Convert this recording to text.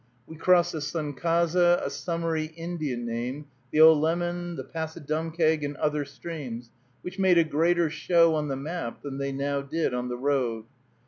We crossed the Sunkhaze, a summery Indian name, the Olemmon, Passadumkeag, and other streams, which make a greater show on the map than they now did on the road.